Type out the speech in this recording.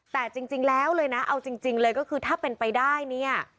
แต่จริงแล้วเลยนะเอาจริงเลยก็คือถ้าเป็นไปได้เนี่ย